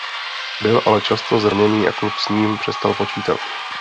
Byl ale často zraněný a klub s ním přestal počítat.